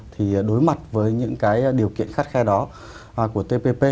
thì đối mặt với những cái điều kiện khắt khe đó của tpp